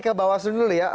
ke bawah sini dulu ya